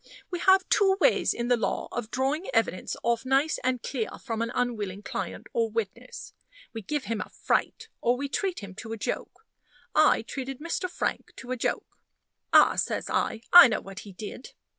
We have two ways in the law of drawing evidence off nice and clear from an unwilling client or witness. We give him a fright, or we treat him to a joke. I treated Mr. Frank to a joke. "Ah!" says I, "I know what he did.